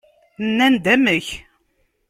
Nnan-d amek?